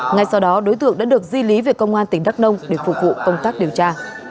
ngay sau đó đối tượng đã được di lý về công an tỉnh đắk nông để phục vụ công tác điều tra